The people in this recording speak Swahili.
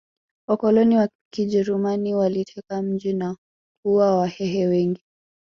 Wakoloni wakijerumani waliteka mji na kuua wahehe wengi